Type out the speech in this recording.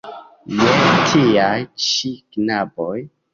Je tiaj ĉi knaboj!